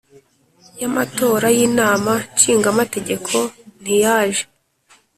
y Amatora y inama nshingamategeko ntiyaje